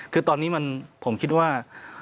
คือตอนนี้ผมคิดว่า